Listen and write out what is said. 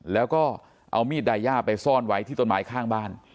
แล้วก็เอามีดไดย่าไปซ่อนไว้ที่ต้นไม้ข้างบ้าน